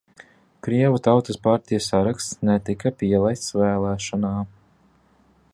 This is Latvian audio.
Krievu tautas partijas saraksts netika pielaists vēlēšanām.